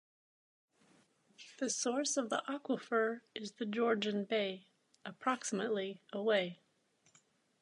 The source of the aquifer is the Georgian Bay, approximately away.